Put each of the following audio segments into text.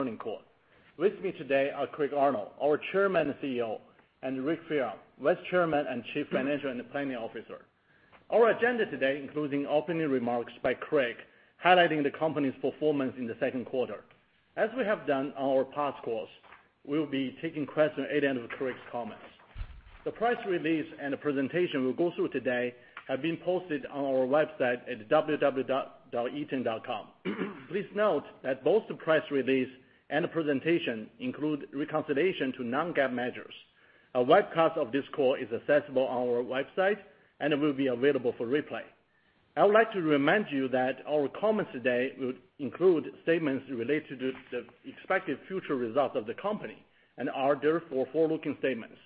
Morning call. With me today are Craig Arnold, our Chairman and CEO, and Rick Fearon, Vice Chairman and Chief Financial and Planning Officer. Our agenda today including opening remarks by Craig, highlighting the company's performance in the second quarter. As we have done on our past calls, we will be taking questions at the end of Craig's comments. The press release and the presentation we'll go through today have been posted on our website at www.eaton.com. Please note that both the press release and the presentation include reconciliation to non-GAAP measures. A webcast of this call is accessible on our website, and it will be available for replay. I would like to remind you that our comments today would include statements related to the expected future results of the company and are therefore forward-looking statements.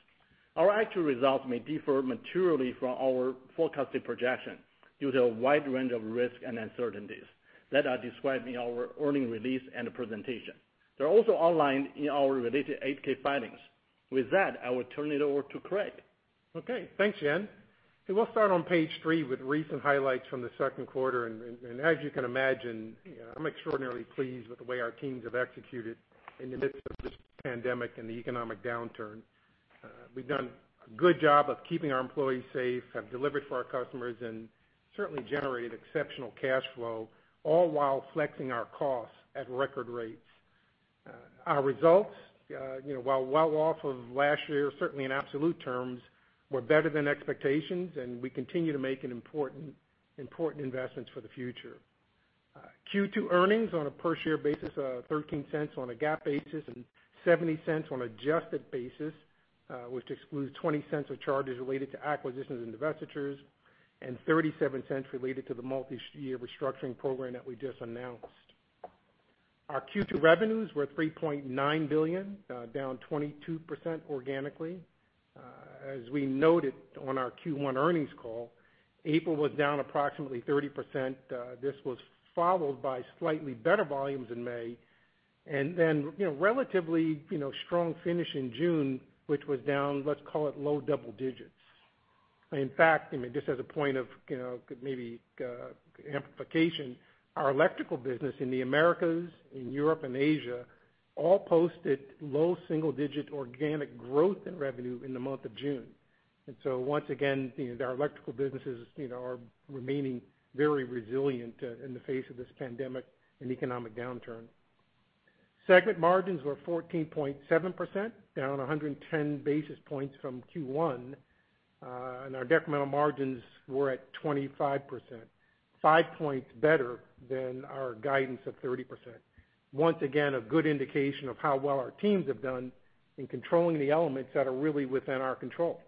Our actual results may differ materially from our forecasted projection due to a wide range of risks and uncertainties that are described in our earnings release and presentation. They are also online in our related 8-K filings. With that, I will turn it over to Craig. Thanks, Yan. We'll start on page three with recent highlights from the second quarter. As you can imagine, I'm extraordinarily pleased with the way our teams have executed in the midst of this pandemic and the economic downturn. We've done a good job of keeping our employees safe, have delivered for our customers, and certainly generated exceptional cash flow, all while flexing our costs at record rates. Our results, while well off of last year, certainly in absolute terms, were better than expectations, and we continue to make important investments for the future. Q2 earnings on a per-share basis are $0.13 on a GAAP basis and $0.70 on adjusted basis, which excludes $0.20 of charges related to acquisitions and divestitures, and $0.37 related to the multi-year restructuring program that we just announced. Our Q2 revenues were $3.9 billion, down 22% organically. As we noted on our Q1 earnings call, April was down approximately 30%. This was followed by slightly better volumes in May, then relatively strong finish in June, which was down, let's call it, low double digits. Just as a point of maybe amplification, our electrical business in the Americas, in Europe, and Asia all posted low single-digit organic growth in revenue in the month of June. Our electrical businesses are remaining very resilient in the face of this pandemic and economic downturn. Segment margins were 14.7%, down 110 basis points from Q1. Our decremental margins were at 25%, five points better than our guidance of 30%. Once again, a good indication of how well our teams have done in controlling the elements that are really within our control.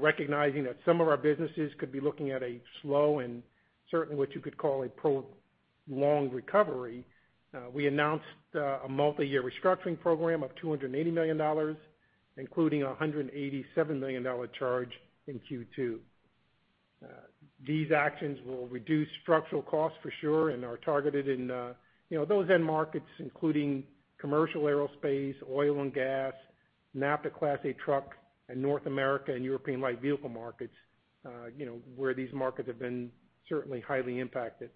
Recognizing that some of our businesses could be looking at a slow and certainly what you could call a prolonged recovery, we announced a multi-year restructuring program of $280 million, including a $187 million charge in Q2. These actions will reduce structural costs for sure and are targeted in those end markets, including commercial aerospace, oil and gas, NAFTA Class 8 truck in North America and European light vehicle markets, where these markets have been certainly highly impacted.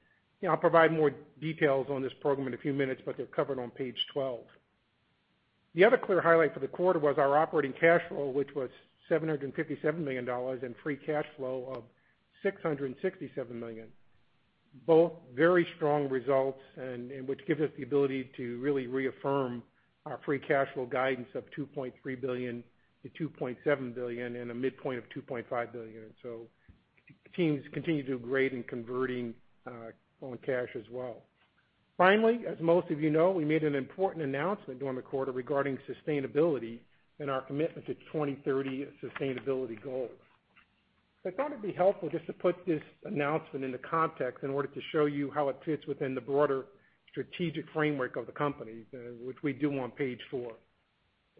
I'll provide more details on this program in a few minutes, they're covered on page 12. The other clear highlight for the quarter was our operating cash flow, which was $757 million, and free cash flow of $667 million. Both very strong results, which gives us the ability to really reaffirm our free cash flow guidance of $2.3 billion-$2.7 billion and a midpoint of $2.5 billion. Teams continue to do great in converting on cash as well. Finally, as most of you know, we made an important announcement during the quarter regarding sustainability and our commitment to 2030 sustainability goals. I thought it'd be helpful just to put this announcement into context in order to show you how it fits within the broader strategic framework of the company, which we do on page four.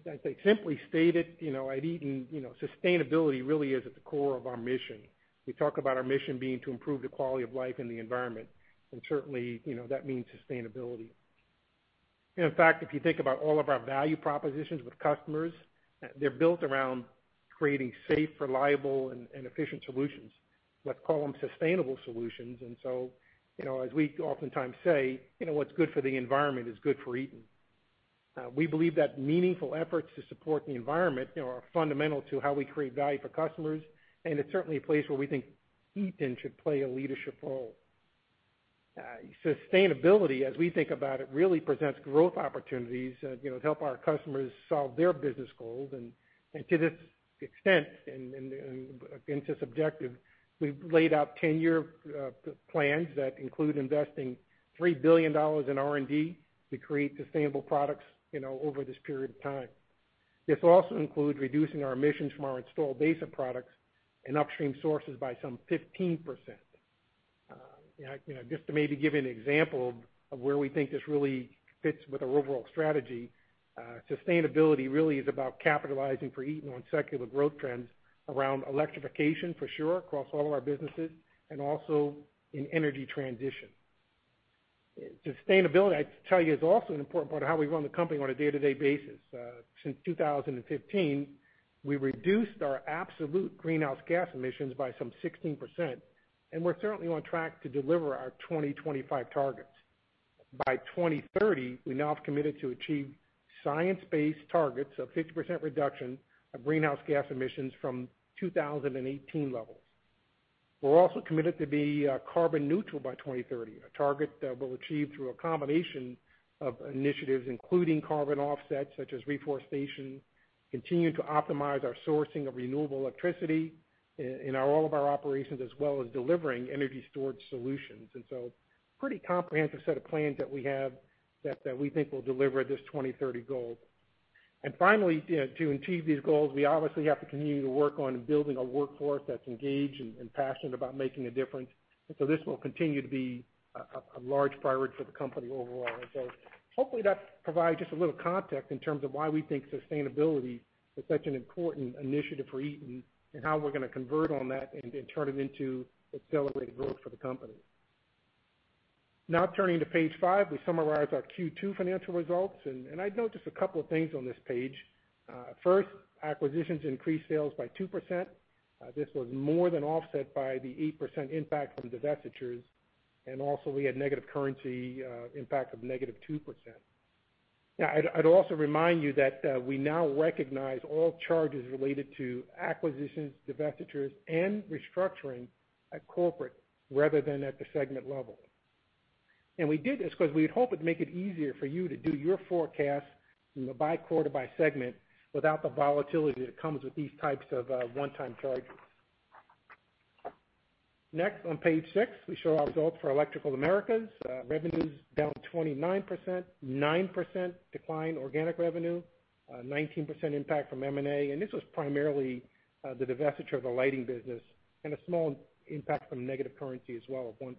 As I say, simply stated, at Eaton, sustainability really is at the core of our mission. We talk about our mission being to improve the quality of life and the environment, and certainly, that means sustainability. In fact, if you think about all of our value propositions with customers, they're built around creating safe, reliable, and efficient solutions. Let's call them sustainable solutions. As we oftentimes say, what's good for the environment is good for Eaton. We believe that meaningful efforts to support the environment are fundamental to how we create value for customers, and it's certainly a place where we think Eaton should play a leadership role. Sustainability, as we think about it, really presents growth opportunities to help our customers solve their business goals. To this extent, and against this objective, we've laid out 10-year plans that include investing $3 billion in R&D to create sustainable products over this period of time. This also includes reducing our emissions from our installed base of products and upstream sources by some 15%. Just to maybe give you an example of where we think this really fits with our overall strategy, sustainability really is about capitalizing for Eaton on secular growth trends around electrification, for sure, across all of our businesses, and also in energy transition. Sustainability, I have to tell you, is also an important part of how we run the company on a day-to-day basis. Since 2015, we reduced our absolute greenhouse gas emissions by some 16%, and we're currently on track to deliver our 2025 targets. By 2030, we now have committed to achieve science-based targets of 50% reduction of greenhouse gas emissions from 2018 levels. We're also committed to be carbon neutral by 2030, a target that we'll achieve through a combination of initiatives, including carbon offsets such as reforestation, continue to optimize our sourcing of renewable electricity in all of our operations, as well as delivering energy storage solutions. Pretty comprehensive set of plans that we have that we think will deliver this 2030 goal. Finally, to achieve these goals, we obviously have to continue to work on building a workforce that's engaged and passionate about making a difference. This will continue to be a large priority for the company overall. Hopefully, that provides just a little context in terms of why we think sustainability is such an important initiative for Eaton, and how we're going to convert on that and turn it into accelerated growth for the company. Turning to page five, we summarize our Q2 financial results. I'd note just a couple of things on this page. First, acquisitions increased sales by 2%. This was more than offset by the 8% impact from divestitures. Also, we had negative currency impact of negative 2%. I'd also remind you that we now recognize all charges related to acquisitions, divestitures, and restructuring at corporate rather than at the segment level. We did this because we had hoped it'd make it easier for you to do your forecast by quarter, by segment, without the volatility that comes with these types of one-time charges. On page six, we show our results for Electrical Americas. Revenues down 29%, 9% decline organic revenue, 19% impact from M&A. This was primarily the divestiture of the lighting business and a small impact from negative currency as well of 1%.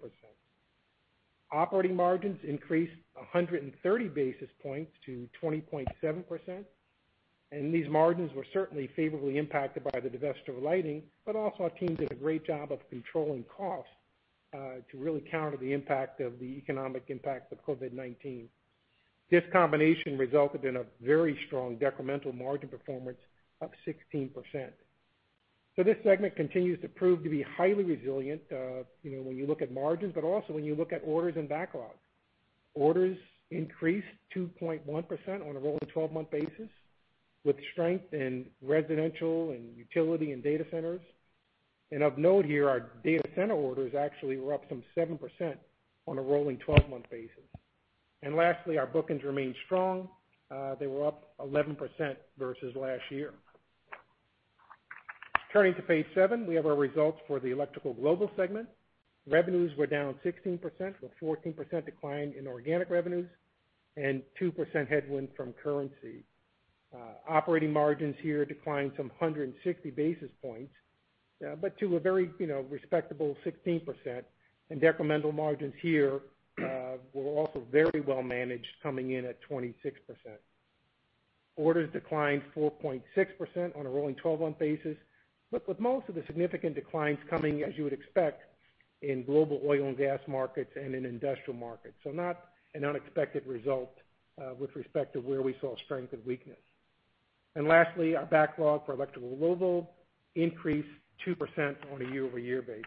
Operating margins increased 130 basis points to 20.7%. These margins were certainly favorably impacted by the divestiture of lighting, but also our teams did a great job of controlling costs, to really counter the impact of the economic impact of COVID-19. This combination resulted in a very strong decremental margin performance up 16%. This segment continues to prove to be highly resilient, when you look at margins, but also when you look at orders and backlog. Orders increased 2.1% on a rolling 12-month basis, with strength in residential and utility and data centers. Of note here, our data center orders actually were up some 7% on a rolling 12-month basis. Lastly, our bookings remained strong. They were up 11% versus last year. Turning to page seven, we have our results for the Electrical Global segment. Revenues were down 16%, with 14% decline in organic revenues and 2% headwind from currency. Operating margins here declined some 160 basis points, but to a very respectable 16%. Decremental margins here were also very well managed, coming in at 26%. Orders declined 4.6% on a rolling 12-month basis. With most of the significant declines coming, as you would expect, in global oil and gas markets and in industrial markets. Not an unexpected result, with respect to where we saw strength and weakness. Lastly, our backlog for Electrical Global increased 2% on a year-over-year basis.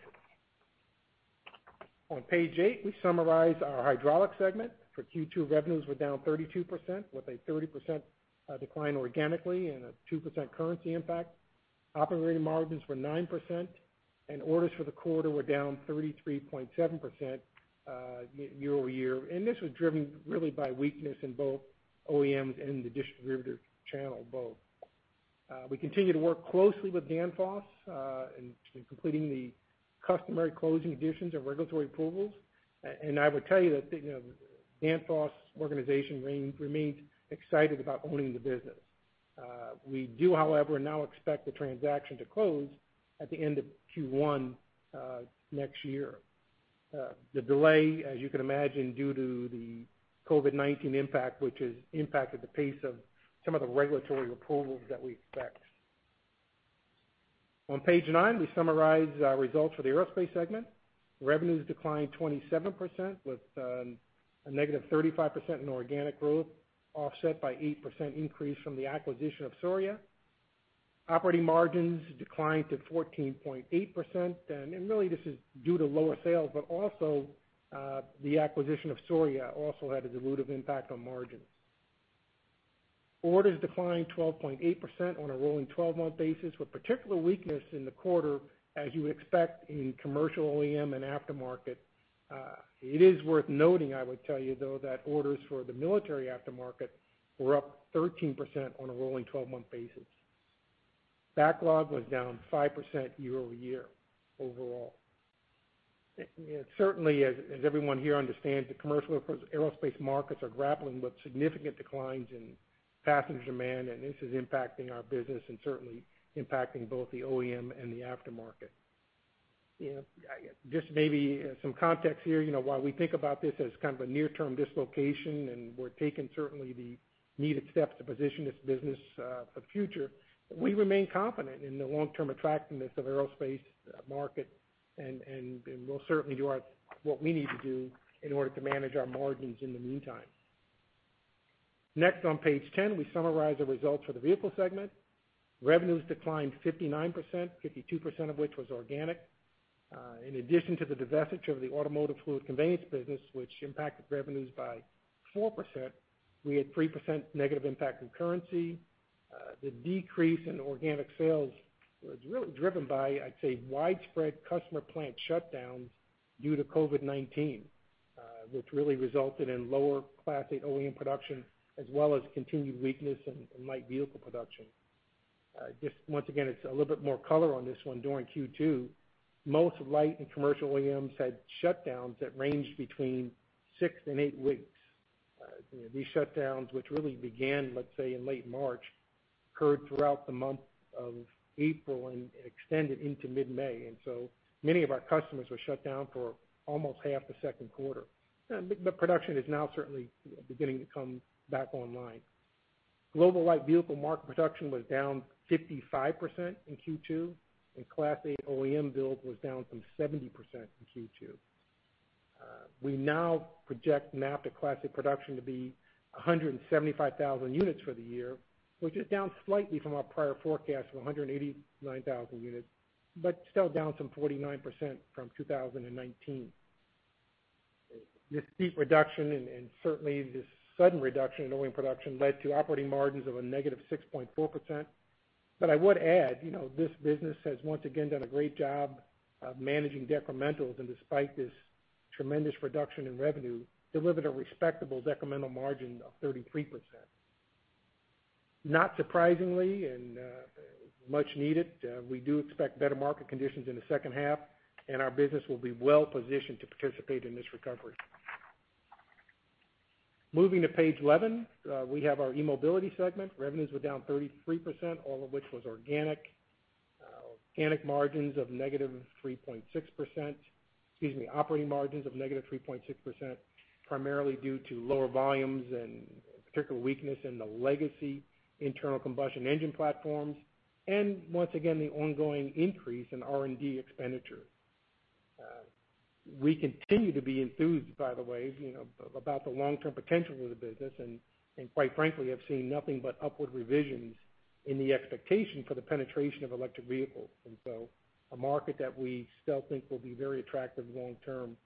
On page eight, we summarize our Hydraulics segment for Q2. Revenues were down 32% with a 30% decline organically and a 2% currency impact. Operating margins were 9%, and orders for the quarter were down 33.7% year-over-year. This was driven really by weakness in both OEMs and the distributor channel both. We continue to work closely with Danfoss, in completing the customary closing conditions of regulatory approvals. I would tell you that the Danfoss organization remains excited about owning the business. We do, however, now expect the transaction to close at the end of Q1 next year. The delay, as you can imagine, due to the COVID-19 impact, which has impacted the pace of some of the regulatory approvals that we expect. On page nine, we summarize our results for the Aerospace segment. Revenues declined 27%, with a negative 35% in organic growth, offset by 8% increase from the acquisition of Souriau. Operating margins declined to 14.8%, and really this is due to lower sales, but also, the acquisition of Souriau also had a dilutive impact on margins. Orders declined 12.8% on a rolling 12-month basis, with particular weakness in the quarter, as you would expect in commercial OEM and aftermarket. It is worth noting, I would tell you, though, that orders for the military aftermarket were up 13% on a rolling 12-month basis. Backlog was down 5% year-over-year overall. Certainly, as everyone here understands, the commercial aerospace markets are grappling with significant declines in passenger demand, this is impacting our business and certainly impacting both the OEM and the aftermarket. Just maybe some context here. While we think about this as kind of a near-term dislocation, we're taking certainly the needed steps to position this business for the future, we remain confident in the long-term attractiveness of aerospace market, we'll certainly do what we need to do in order to manage our margins in the meantime. Next on page 10, we summarize the results for the vehicle segment. Revenues declined 59%, 52% of which was organic. In addition to the divestiture of the automotive fluid conveyance business, which impacted revenues by 4%, we had 3% negative impact from currency. The decrease in organic sales was really driven by, I'd say, widespread customer plant shutdowns due to COVID-19, which really resulted in lower Class 8 OEM production as well as continued weakness in light vehicle production. Just once again, it's a little bit more color on this one during Q2, most light and commercial OEMs had shutdowns that ranged between six and eight weeks. These shutdowns, which really began, let's say, in late March, occurred throughout the month of April and extended into mid-May. Many of our customers were shut down for almost half the second quarter. Production is now certainly beginning to come back online. Global light vehicle market production was down 55% in Q2, and Class 8 OEM build was down some 70% in Q2. We now project NAFTA Class 8 production to be 175,000 units for the year, which is down slightly from our prior forecast of 189,000 units, but still down some 49% from 2019. This steep reduction and certainly this sudden reduction in OEM production led to operating margins of a negative 6.4%. I would add, this business has once again done a great job of managing decrementals, and despite this tremendous reduction in revenue, delivered a respectable decremental margin of 33%. Not surprisingly and much needed, we do expect better market conditions in the second half, and our business will be well-positioned to participate in this recovery. Moving to page 11, we have our eMobility segment. Revenues were down 33%, all of which was organic. Organic margins of -3.6%-- excuse me, operating margins of -3.6%, primarily due to lower volumes and particular weakness in the legacy internal combustion engine platforms, and once again, the ongoing increase in R&D expenditure. We continue to be enthused, by the way, about the long-term potential of the business and, quite frankly, have seen nothing but upward revisions in the expectation for the penetration of electric vehicles. A market that we still think will be very attractive long term.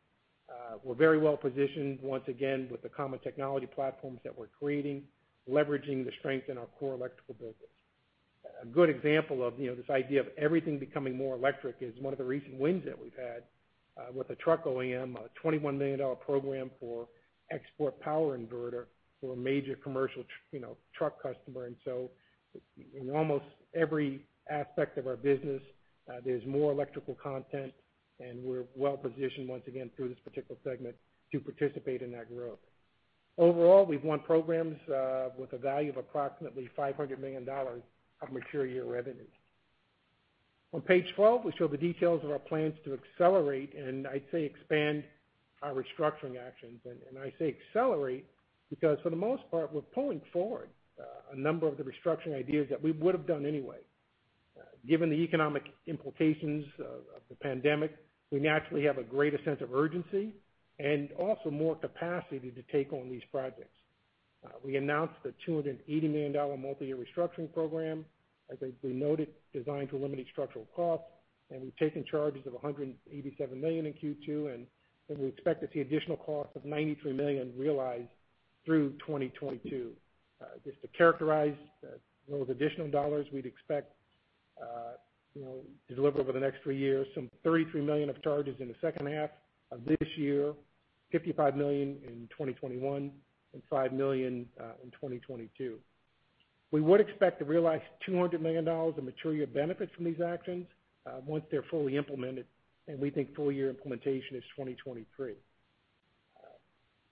We're very well-positioned, once again, with the common technology platforms that we're creating, leveraging the strength in our core electrical business. A good example of this idea of everything becoming more electric is one of the recent wins that we've had with a truck OEM, a $21 million program for ePower inverter for a major commercial truck customer. In almost every aspect of our business, there's more electrical content, and we're well-positioned once again through this particular segment to participate in that growth. Overall, we've won programs with a value of approximately $500 million of material revenue. On page 12, we show the details of our plans to accelerate and, I'd say, expand our restructuring actions. I say accelerate because for the most part, we're pulling forward a number of the restructuring ideas that we would've done anyway. Given the economic implications of the pandemic, we naturally have a greater sense of urgency and also more capacity to take on these projects. We announced the $280 million multi-year restructuring program, as we noted, designed to eliminate structural costs, and we've taken charges of $187 million in Q2, and we expect to see additional costs of $93 million realized through 2022. Just to characterize those additional dollars we'd expect to deliver over the next three years, some $33 million of charges in the second half of this year, $55 million in 2021, and $5 million in 2022. We would expect to realize $200 million in material benefits from these actions once they're fully implemented, and we think full-year implementation is 2023.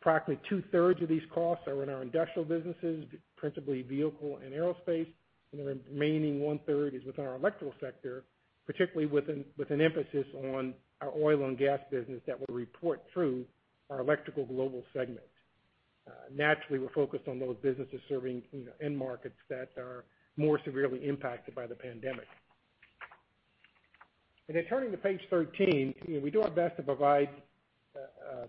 Approximately two-thirds of these costs are in our industrial businesses, principally vehicle and aerospace, and the remaining one-third is within our electrical sector, particularly with an emphasis on our oil and gas business that will report through our Electrical Global segment. Naturally, we're focused on those businesses serving end markets that are more severely impacted by the pandemic. Then turning to page 13, we do our best to provide a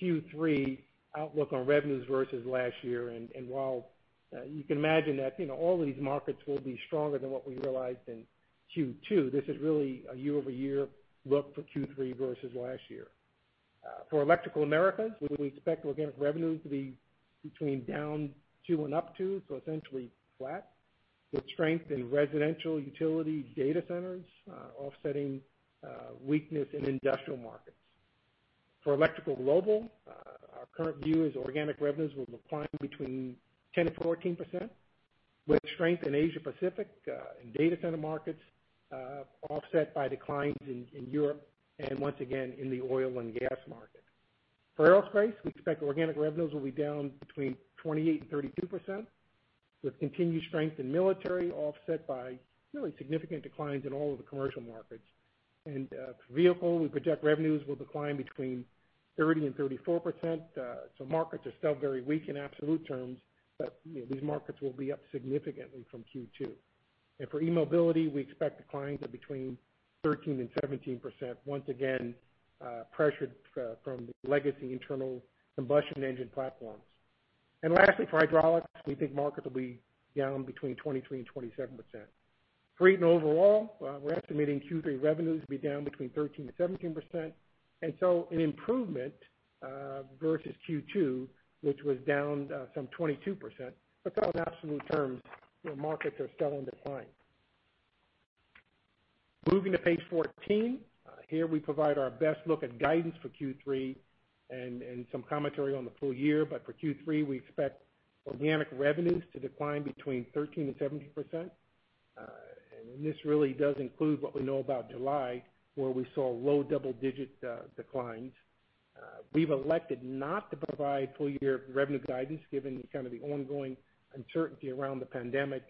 Q3 outlook on revenues versus last year, while you can imagine that all of these markets will be stronger than what we realized in Q2, this is really a year-over-year look for Q3 versus last year. For Electrical Americas, we expect organic revenues to be between down 2% and up 2%, so essentially flat, with strength in residential utility data centers offsetting weakness in industrial markets. For Electrical Global, our current view is organic revenues will decline between 10% and 14%, with strength in Asia Pacific and data center markets offset by declines in Europe and once again in the oil and gas market. For Aerospace, we expect organic revenues will be down between 28% and 32%, with continued strength in military offset by really significant declines in all of the commercial markets. For Vehicle, we project revenues will decline between 30%-34%. Markets are still very weak in absolute terms, but these markets will be up significantly from Q2. For eMobility, we expect declines of between 13%-17%, once again pressured from the legacy internal combustion engine platforms. Lastly, for Hydraulics, we think market will be down between 23%-27%. For Eaton overall, we're estimating Q3 revenues to be down between 13%-17%. An improvement versus Q2, which was down some 22%. In absolute terms, markets are still in decline. Moving to page 14. Here we provide our best look at guidance for Q3 and some commentary on the full year. For Q3, we expect organic revenues to decline between 13%-17%. This really does include what we know about July, where we saw low double-digit declines. We've elected not to provide full-year revenue guidance, given kind of the ongoing uncertainty around the pandemic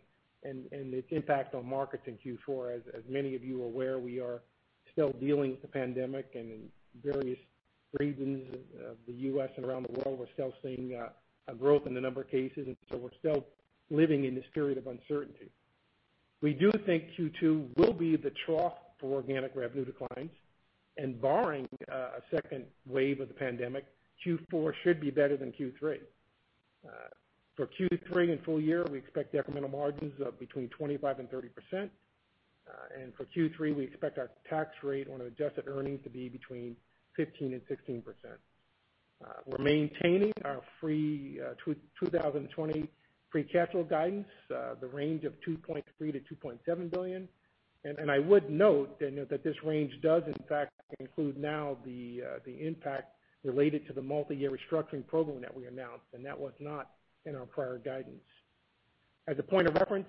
and its impact on markets in Q4. As many of you are aware, we are still dealing with the pandemic, and in various regions of the U.S. and around the world, we're still seeing a growth in the number of cases, and so we're still living in this period of uncertainty. We do think Q2 will be the trough for organic revenue declines, and barring a second wave of the pandemic, Q4 should be better than Q3. For Q3 and full year, we expect incremental margins of 25%-30%. For Q3, we expect our tax rate on adjusted earnings to be 15%-16%. We're maintaining our free 2020 free cash flow guidance, the range of $2.3 billion-$2.7 billion. I would note that this range does in fact include now the impact related to the multi-year restructuring program that we announced, and that was not in our prior guidance. As a point of reference,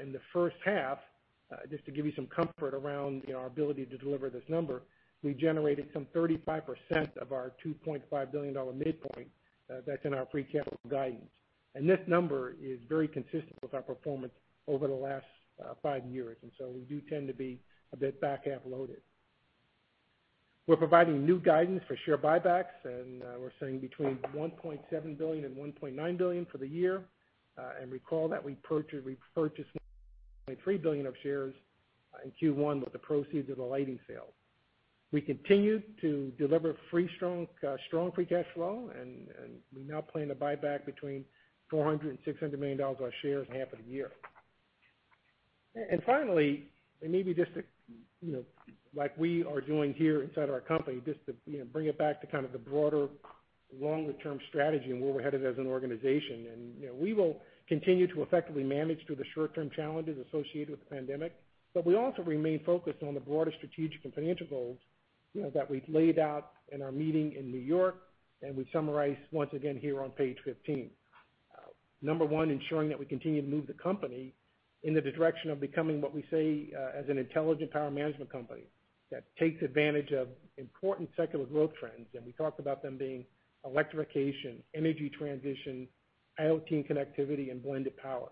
in the first half, just to give you some comfort around our ability to deliver this number, we generated some 35% of our $2.5 billion midpoint that's in our free cash flow guidance. This number is very consistent with our performance over the last five years. We do tend to be a bit back-half loaded. We're providing new guidance for share buybacks, and we're saying between $1.7 billion and $1.9 billion for the year. Recall that we purchased $1.3 billion of shares in Q1 with the proceeds of the lighting sale. We continue to deliver strong free cash flow, we now plan to buy back between $400 and $600 million of our shares in half a year. Finally, maybe just like we are doing here inside our company, just to bring it back to kind of the broader, longer-term strategy and where we're headed as an organization. We will continue to effectively manage through the short-term challenges associated with the pandemic. We also remain focused on the broader strategic and financial goals that we've laid out in our meeting in New York and we summarize once again here on page 15. Number one, ensuring that we continue to move the company in the direction of becoming what we say as an intelligent power management company that takes advantage of important secular growth trends. We talked about them being electrification, energy transition, IoT and connectivity, and blended power.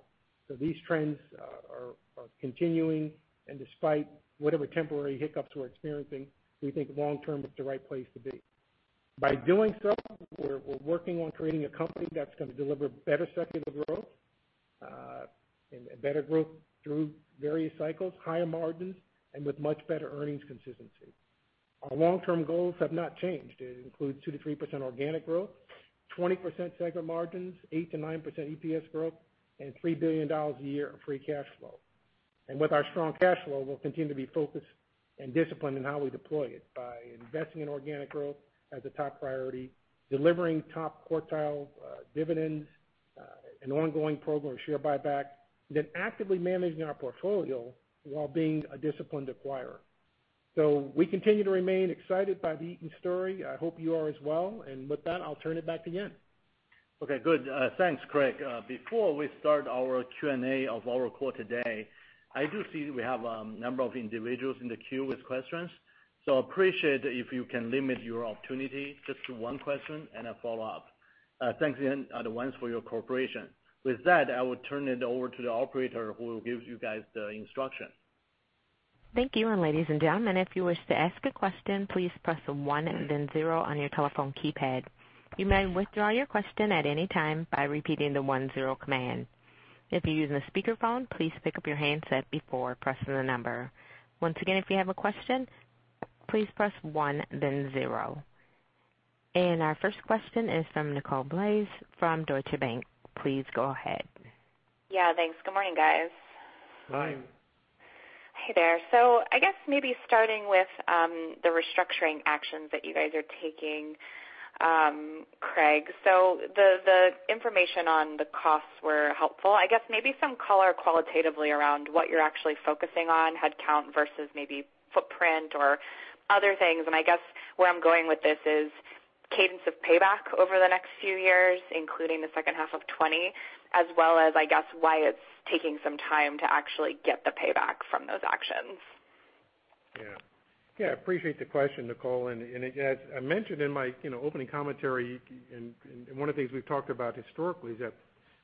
These trends are continuing, and despite whatever temporary hiccups we're experiencing, we think long term it's the right place to be. By doing so, we're working on creating a company that's going to deliver better secular growth, and better growth through various cycles, higher margins, and with much better earnings consistency. Our long-term goals have not changed. It includes 2%-3% organic growth, 20% segment margins, 8%-9% EPS growth, and $3 billion a year of free cash flow. With our strong cash flow, we'll continue to be focused and disciplined in how we deploy it by investing in organic growth as a top priority, delivering top quartile dividends, an ongoing program of share buyback, then actively managing our portfolio while being a disciplined acquirer. We continue to remain excited by the Eaton story. I hope you are as well. With that, I'll turn it back to Yan. Okay, good. Thanks, Craig. Before we start our Q&A of our call today, I do see we have a number of individuals in the queue with questions, so appreciate if you can limit your opportunity just to one question and a follow-up. Thanks in advance for your cooperation. With that, I will turn it over to the operator who will give you guys the instruction. Thank you. Ladies and gentlemen, if you wish to ask a question, please press one and then zero on your telephone keypad. You may withdraw your question at any time by repeating the one-zero command. If you're using a speakerphone, please pick up your handset before pressing the number. Once again, if you have a question, please press one, then zero. Our first question is from Nicole DeBlase from Deutsche Bank. Please go ahead. Yeah, thanks. Good morning, guys. Hi. Hey there. I guess maybe starting with the restructuring actions that you guys are taking, Craig. The information on the costs were helpful. I guess maybe some color qualitatively around what you're actually focusing on, headcount versus maybe footprint or other things. I guess where I'm going with this is cadence of payback over the next few years, including the second half of 2020, as well as, I guess, why it's taking some time to actually get the payback from those actions. Yeah. Yeah, appreciate the question, Nicole. As I mentioned in my opening commentary, one of the things we've talked about historically is that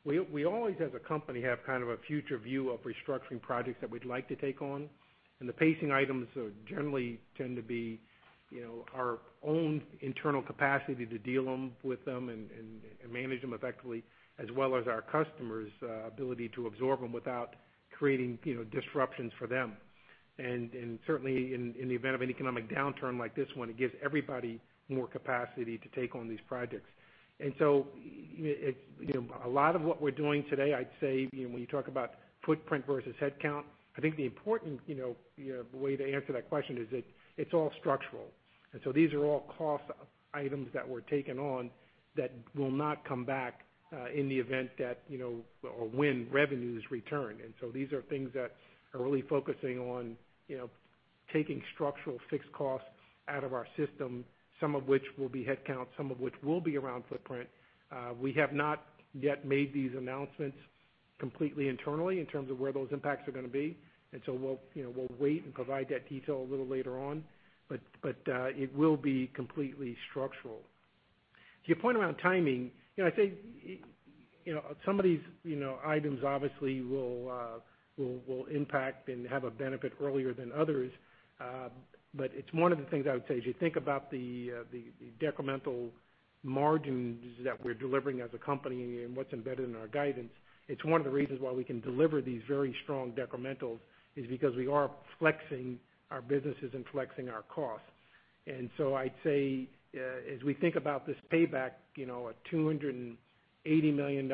we always, as a company, have kind of a future view of restructuring projects that we'd like to take on. The pacing items generally tend to be our own internal capacity to deal with them and manage them effectively, as well as our customers' ability to absorb them without creating disruptions for them. Certainly, in the event of an economic downturn like this one, it gives everybody more capacity to take on these projects. A lot of what we're doing today, I'd say, when you talk about footprint versus headcount, I think the important way to answer that question is that it's all structural. These are all cost items that were taken on that will not come back in the event that or when revenues return. These are things that are really focusing on taking structural fixed costs out of our system, some of which will be headcount, some of which will be around footprint. We have not yet made these announcements completely internally in terms of where those impacts are going to be. We'll wait and provide that detail a little later on. It will be completely structural. To your point around timing, I'd say some of these items obviously will impact and have a benefit earlier than others. It's one of the things I would say, if you think about the decremental margins that we're delivering as a company and what's embedded in our guidance, it's one of the reasons why we can deliver these very strong decrementals is because we are flexing our businesses and flexing our costs. I'd say, as we think about this payback, a $280 million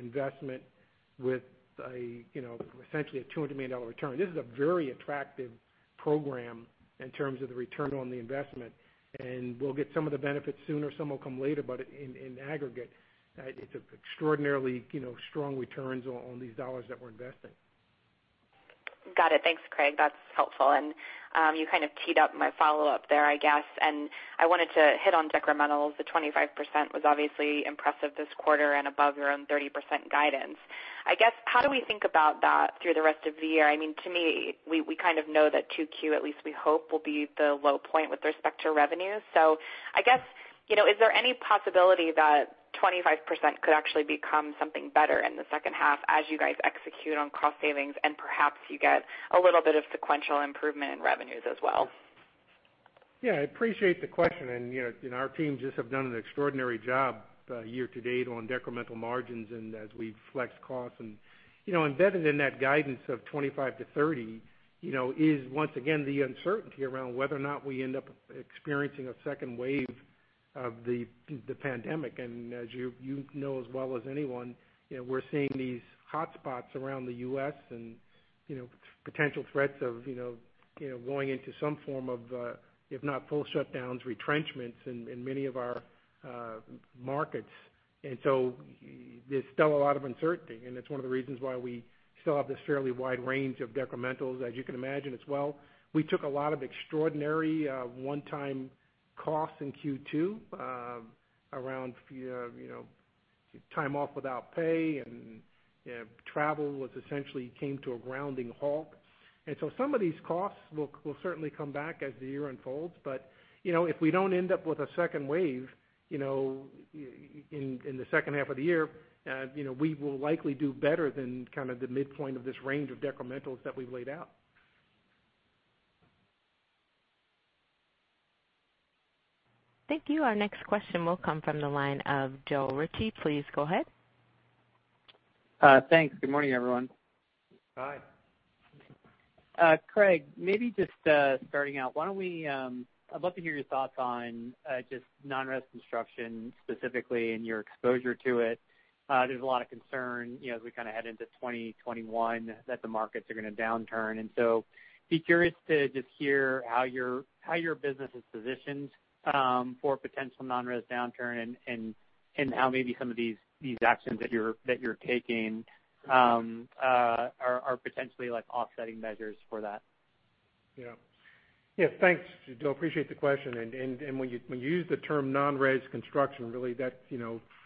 investment with essentially a $200 million return, this is a very attractive program in terms of the return on the investment. We'll get some of the benefits sooner, some will come later, but in aggregate, it's extraordinarily strong returns on these dollars that we're investing. Got it. Thanks, Craig. That's helpful. You kind of teed up my follow-up there, I guess. I wanted to hit on decrementals. The 25% was obviously impressive this quarter and above your own 30% guidance. I guess, how do we think about that through the rest of the year? To me, we kind of know that 2Q, at least we hope, will be the low point with respect to revenue. I guess, is there any possibility that 25% could actually become something better in the second half as you guys execute on cost savings and perhaps you get a little bit of sequential improvement in revenues as well? Yeah, I appreciate the question. Our teams just have done an extraordinary job year-to-date on decremental margins as we flex costs. Embedded in that guidance of 25%-30% is once again the uncertainty around whether or not we end up experiencing a second wave of the pandemic. As you know as well as anyone, we're seeing these hotspots around the U.S. and potential threats of going into some form of, if not full shutdowns, retrenchments in many of our markets. There's still a lot of uncertainty, and it's one of the reasons why we still have this fairly wide range of decrementals, as you can imagine. As well, we took a lot of extraordinary one-time costs in Q2 around time off without pay and travel essentially came to a grounding halt. Some of these costs will certainly come back as the year unfolds. If we don't end up with a second wave in the second half of the year, we will likely do better than kind of the midpoint of this range of decrementals that we've laid out. Thank you. Our next question will come from the line of Joe Ritchie. Please go ahead. Thanks. Good morning, everyone. Hi. Craig, maybe just starting out, I'd love to hear your thoughts on just non-res construction, specifically and your exposure to it? There's a lot of concern as we kind of head into 2021 that the markets are going to downturn. Be curious to just hear how your business is positioned for potential non-res downturn and how maybe some of these actions that you're taking are potentially offsetting measures for that? Yeah. Thanks, Joe, appreciate the question. When you use the term non-res construction, really that's,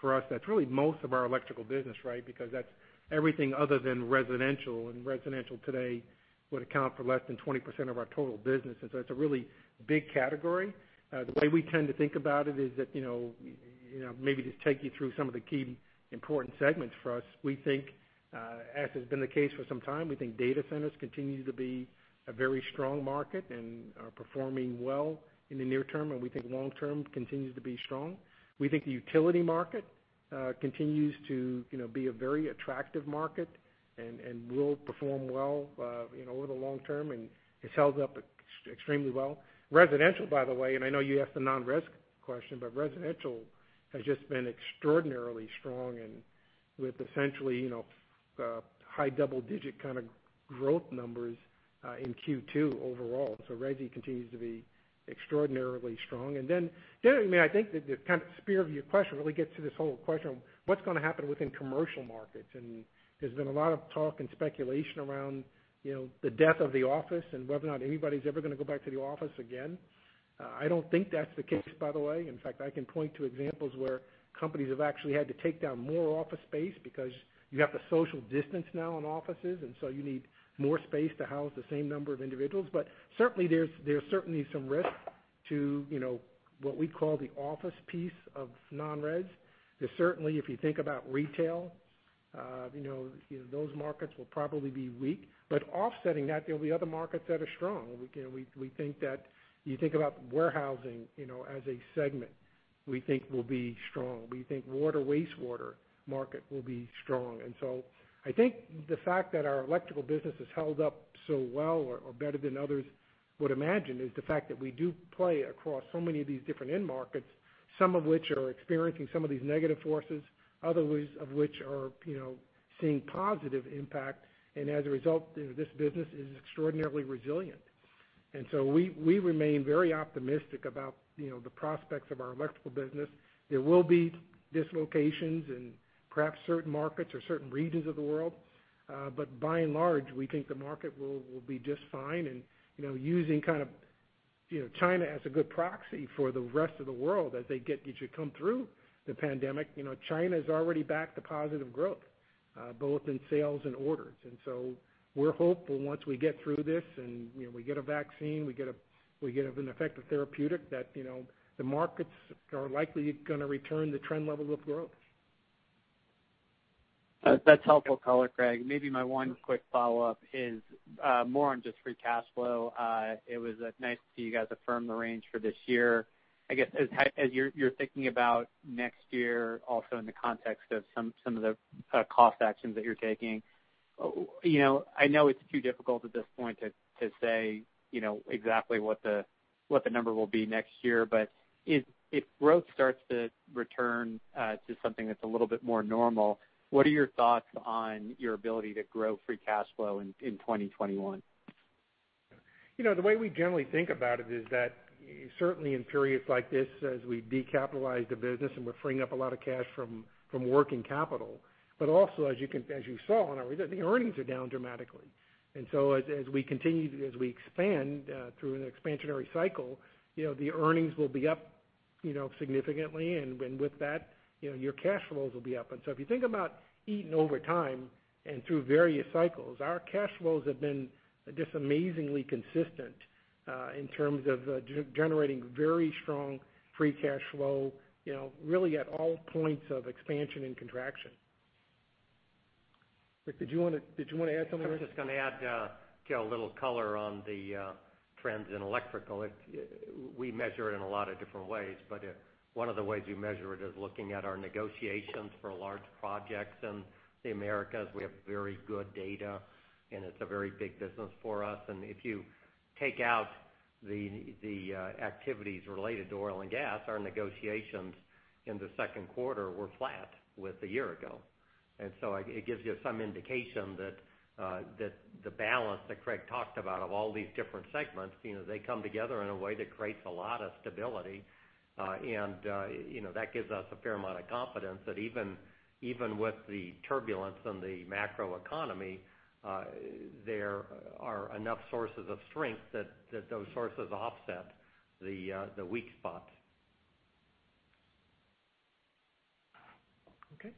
for us, that's really most of our electrical business, right? Because that's everything other than residential, and residential today would account for less than 20% of our total business. That's a really big category. The way we tend to think about it is that, maybe just take you through some of the key important segments for us. We think, as has been the case for some time, we think data centers continue to be a very strong market and are performing well in the near term, and we think long term continues to be strong. We think the utility market continues to be a very attractive market and will perform well over the long term, and it's held up extremely well. Residential, by the way, I know you asked the non-res question, but residential has just been extraordinarily strong with essentially high double-digit kind of growth numbers in Q2 overall. Resi continues to be extraordinarily strong. Generally, I think that the kind of spirit of your question really gets to this whole question of what's going to happen within commercial markets. There's been a lot of talk and speculation around the death of the office and whether or not anybody's ever going to go back to the office again. I don't think that's the case, by the way. In fact, I can point to examples where companies have actually had to take down more office space because you have to social distance now in offices, and so you need more space to house the same number of individuals. Certainly there's some risk to what we call the office piece of non-res. Certainly, if you think about retail, those markets will probably be weak. Offsetting that, there will be other markets that are strong. You think about warehousing, as a segment, we think will be strong. We think water wastewater market will be strong. I think the fact that our electrical business has held up so well or better than others would imagine, is the fact that we do play across so many of these different end markets, some of which are experiencing some of these negative forces, other ways of which are seeing positive impact. As a result, this business is extraordinarily resilient. We remain very optimistic about the prospects of our electrical business. There will be dislocations in perhaps certain markets or certain regions of the world. By and large, we think the market will be just fine and using China as a good proxy for the rest of the world as they get to come through the pandemic. China's already back to positive growth, both in sales and orders. We're hopeful once we get through this and we get a vaccine, we get an effective therapeutic, that the markets are likely going to return to trend levels of growth. That's helpful color, Craig. Maybe my one quick follow-up is more on just free cash flow. It was nice to see you guys affirm the range for this year. I guess, as you're thinking about next year, also in the context of some of the cost actions that you're taking. I know it's too difficult at this point to say exactly what the number will be next year, but if growth starts to return to something that's a little bit more normal, what are your thoughts on your ability to grow free cash flow in 2021? The way we generally think about it is that certainly in periods like this, as we decapitalize the business, and we're freeing up a lot of cash from working capital, but also as you saw in our earnings, the earnings are down dramatically. As we expand through an expansionary cycle, the earnings will be up significantly, and with that, your cash flows will be up. If you think about Eaton over time and through various cycles, our cash flows have been just amazingly consistent in terms of generating very strong free cash flow, really at all points of expansion and contraction. Rick, did you want to add something? I was just going to add, Craig, a little color on the trends in electrical. We measure it in a lot of different ways, but one of the ways we measure it is looking at our negotiations for large projects in the Americas. We have very good data, and it's a very big business for us. If you take out the activities related to oil and gas, our negotiations in the second quarter were flat with a year ago. So it gives you some indication that the balance that Craig talked about of all these different segments, they come together in a way that creates a lot of stability. That gives us a fair amount of confidence that even with the turbulence in the macro economy, there are enough sources of strength that those sources offset the weak spots. Okay.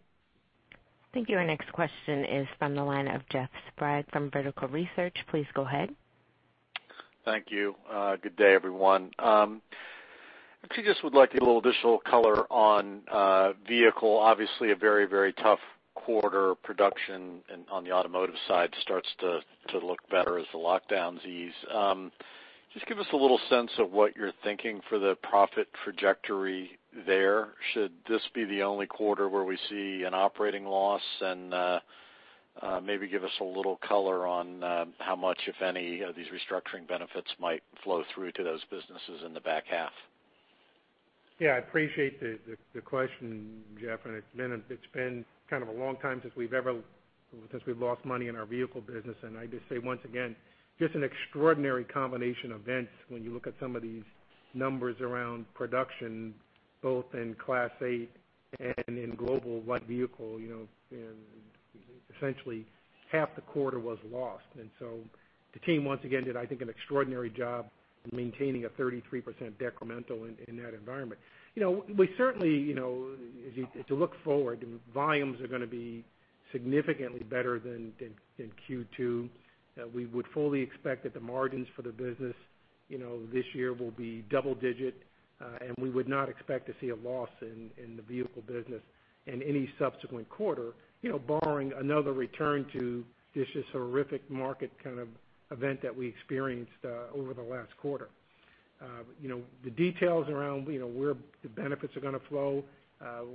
Thank you. Our next question is from the line of Jeff Sprague from Vertical Research. Please go ahead. Thank you. Good day, everyone. Actually, just would like a little additional color on vehicle. Obviously a very, very tough quarter production, and on the automotive side, starts to look better as the lockdowns ease. Just give us a little sense of what you're thinking for the profit trajectory there. Should this be the only quarter where we see an operating loss? Maybe give us a little color on how much, if any, of these restructuring benefits might flow through to those businesses in the back half. Yeah, I appreciate the question, Jeff, it's been kind of a long time since we've lost money in our vehicle business. I just say once again, just an extraordinary combination of events when you look at some of these numbers around production, both in Class 8 and in global light vehicle, and essentially half the quarter was lost. The team once again did, I think, an extraordinary job maintaining a 33% decremental in that environment. We certainly, as you look forward, volumes are going to be significantly better than in Q2. We would fully expect that the margins for the business this year will be double-digit, and we would not expect to see a loss in the vehicle business in any subsequent quarter, barring another return to just a horrific market kind of event that we experienced over the last quarter. The details around where the benefits are going to flow,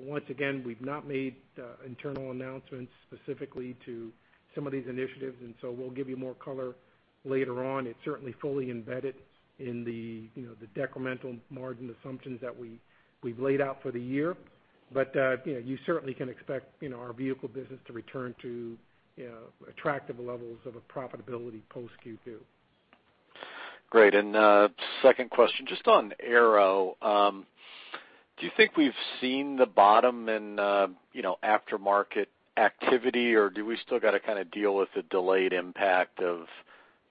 once again, we've not made internal announcements specifically to some of these initiatives, and so we'll give you more color later on. It's certainly fully embedded in the decremental margin assumptions that we've laid out for the year. You certainly can expect our vehicle business to return to attractive levels of profitability post Q2. Great. Second question, just on Aero. Do you think we've seen the bottom in aftermarket activity, or do we still got to kind of deal with the delayed impact of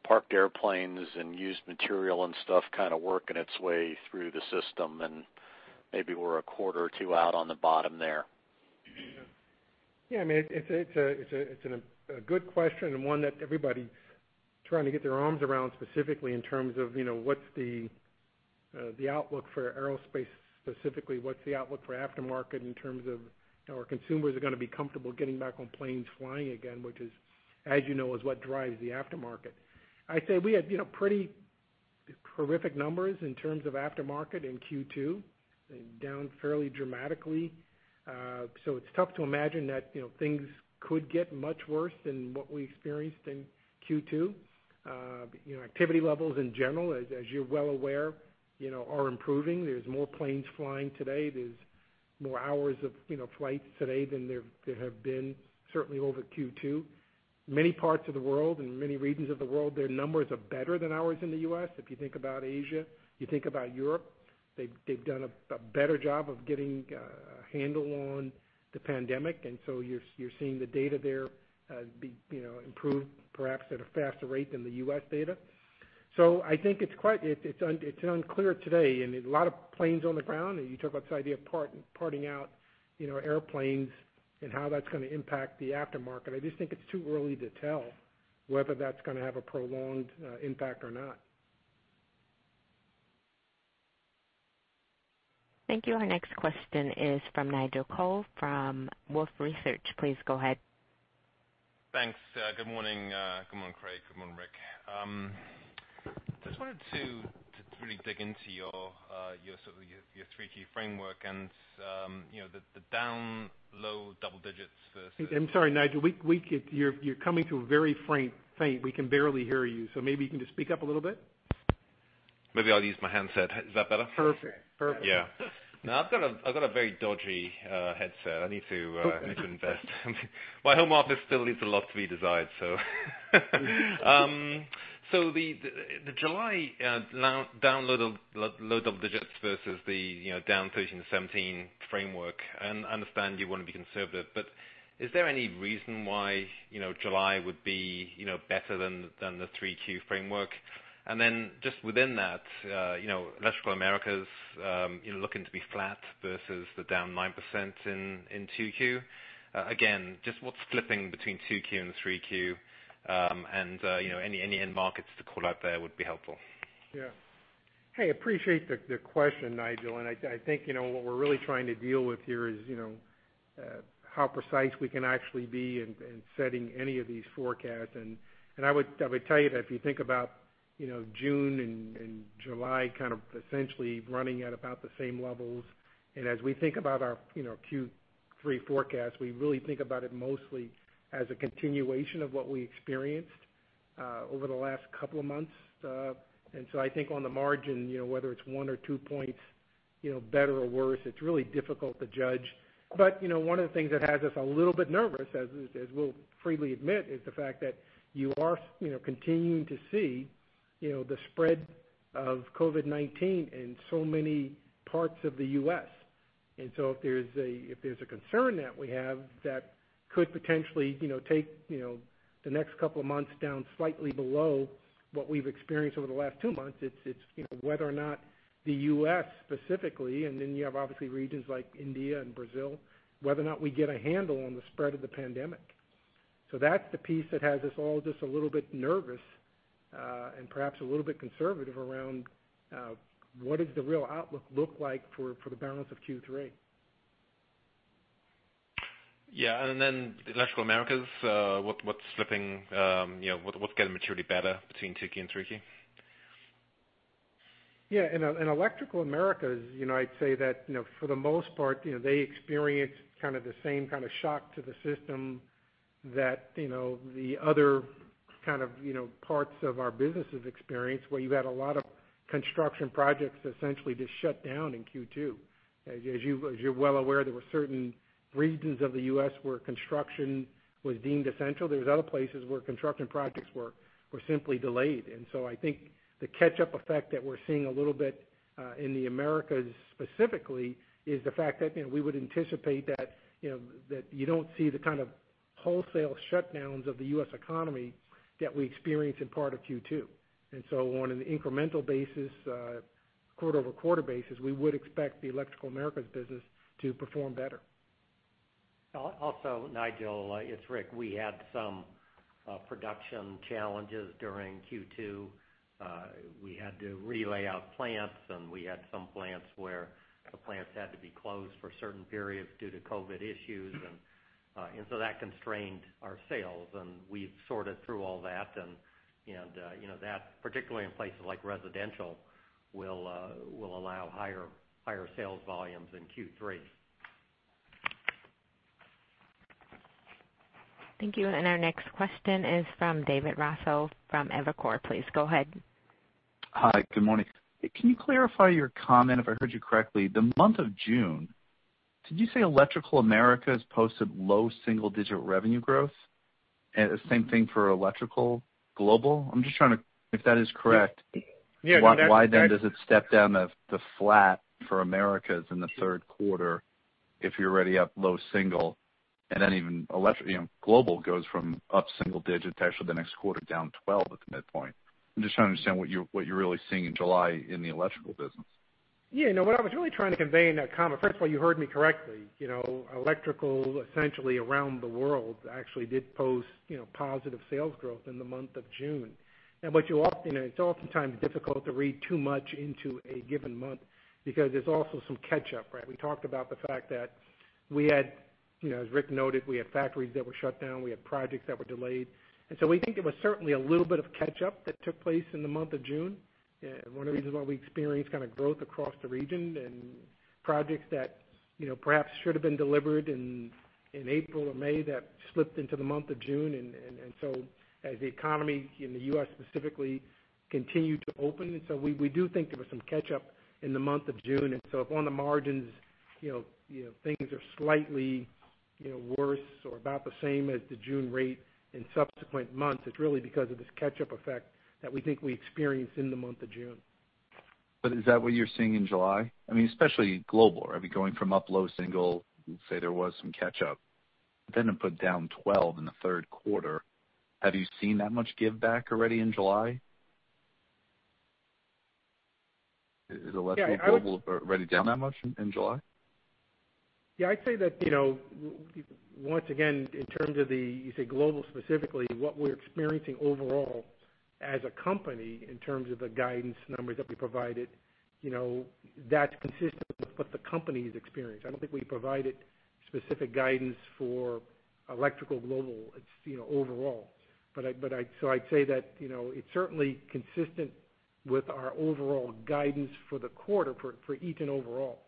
parked airplanes and used material and stuff kind of working its way through the system, and maybe we're a quarter or two out on the bottom there? Yeah, it's a good question and one that everybody's trying to get their arms around specifically in terms of what's the outlook for aerospace specifically, what's the outlook for aftermarket in terms of are consumers are going to be comfortable getting back on planes flying again, which is, as you know, is what drives the aftermarket. I'd say we had pretty horrific numbers in terms of aftermarket in Q2, down fairly dramatically. It's tough to imagine that things could get much worse than what we experienced in Q2. Activity levels in general, as you're well aware are improving. There's more planes flying today. There's more hours of flights today than there have been certainly over Q2. Many parts of the world and many regions of the world, their numbers are better than ours in the U.S. If you think about Asia, you think about Europe, they've done a better job of getting a handle on the pandemic, you're seeing the data there improve perhaps at a faster rate than the U.S. data. I think it's unclear today, and there's a lot of planes on the ground, and you talk about this idea of parting out airplanes and how that's going to impact the aftermarket. I just think it's too early to tell whether that's going to have a prolonged impact or not. Thank you. Our next question is from Nigel Coe from Wolfe Research. Please go ahead. Thanks. Good morning, Craig. Good morning, Rick. Just wanted to really dig into your 3Q framework and the down low double digits. I'm sorry, Nigel. You're coming through very faint. We can barely hear you, so maybe you can just speak up a little bit. Maybe I'll use my handset. Is that better? Perfect. Yeah. No, I've got a very dodgy handset. I need to invest. My home office still leaves a lot to be desired. The July down low double digits versus the down 13-17 framework, and I understand you want to be conservative, but is there any reason why July would be better than the 3Q framework? Just within that, Electrical Americas looking to be flat versus the down 9% in 2Q. Again, just what's flipping between 2Q and 3Q? Any end markets to call out there would be helpful. Yeah. Hey, appreciate the question, Nigel. I think what we're really trying to deal with here is how precise we can actually be in setting any of these forecasts. I would tell you that if you think about June and July kind of essentially running at about the same levels, and as we think about our Q3 forecast, we really think about it mostly as a continuation of what we experienced over the last couple of months. I think on the margin, whether it's one or two points better or worse, it's really difficult to judge. One of the things that has us a little bit nervous, as we'll freely admit, is the fact that you are continuing to see the spread of COVID-19 in so many parts of the U.S. If there's a concern that we have that could potentially take the next couple of months down slightly below what we've experienced over the last two months, it's whether or not the U.S. specifically, and then you have obviously regions like India and Brazil, whether or not we get a handle on the spread of the pandemic. That's the piece that has us all just a little bit nervous, and perhaps a little bit conservative around what does the real outlook look like for the balance of Q3? Yeah. Electrical Americas, what's flipping? What's getting materially better between 2Q and 3Q? Yeah. In Electrical Americas, I'd say that for the most part, they experienced kind of the same kind of shock to the system that the other parts of our businesses experienced, where you had a lot of construction projects essentially just shut down in Q2. As you're well aware, there were certain regions of the U.S. where construction was deemed essential. There was other places where construction projects were simply delayed. I think the catch-up effect that we're seeing a little bit, in the Americas specifically, is the fact that we would anticipate that you don't see the kind of wholesale shutdowns of the U.S. economy that we experienced in part of Q2. On an incremental basis, quarter-over-quarter basis, we would expect the Electrical Americas business to perform better. Also, Nigel, it's Rick. We had some production challenges during Q2. We had to relay out plants, and we had some plants where the plants had to be closed for certain periods due to COVID issues. That constrained our sales, and we've sorted through all that, and that particularly in places like residential, will allow higher sales volumes in Q3. Thank you. Our next question is from David Raso from Evercore. Please go ahead. Hi. Good morning. Can you clarify your comment, if I heard you correctly, the month of June, did you say Electrical Americas posted low single-digit revenue growth? The same thing for Electrical Global? Is that correct? Yeah. Why does it step down to flat for Americas in the third quarter if you're already up low single, and even Global goes from up single digits to actually the next quarter down 12 at the midpoint? I'm just trying to understand what you're really seeing in July in the Electrical business. What I was really trying to convey in that comment, first of all, you heard me correctly. Electrical, essentially around the world, actually did post positive sales growth in the month of June. It's oftentimes difficult to read too much into a given month because there's also some catch-up, right? We talked about the fact that, as Rick noted, we had factories that were shut down, we had projects that were delayed. We think there was certainly a little bit of catch-up that took place in the month of June. One of the reasons why we experienced kind of growth across the region and projects that perhaps should have been delivered in April or May that slipped into the month of June. As the economy in the U.S. specifically continued to open, we do think there was some catch-up in the month of June. If on the margins, things are slightly worse or about the same as the June rate in subsequent months, it's really because of this catch-up effect that we think we experienced in the month of June. Is that what you're seeing in July? Especially global, are we going from up low single, say there was some catch-up, but then to put down 12 in the third quarter, have you seen that much give back already in July? Is Electrical Global already down that much in July? Yeah, I'd say that, once again, in terms of the, you say global specifically, what we're experiencing overall as a company in terms of the guidance numbers that we provided, that's consistent with what the company's experienced. I don't think we provided specific guidance for Electrical Global, it's overall. I'd say that it's certainly consistent with our overall guidance for the quarter for Eaton overall.